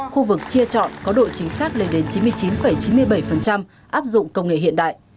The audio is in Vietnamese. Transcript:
khu vực chia chọn có độ chính xác lên đến chín mươi chín chín mươi bảy áp dụng công nghệ hiện đại